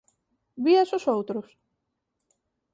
Vías os outros?